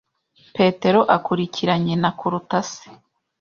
Petero akurikira nyina kuruta se.